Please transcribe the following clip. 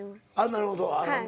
なるほど。